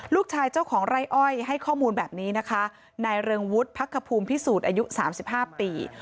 เจ้าของไร่อ้อยให้ข้อมูลแบบนี้นะคะนายเริงวุฒิพักขภูมิพิสูจน์อายุ๓๕ปี